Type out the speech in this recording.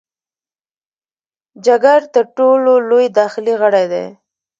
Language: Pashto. جګر تر ټولو لوی داخلي غړی دی.